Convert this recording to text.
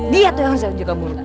dia tuh yang harus jaga mulut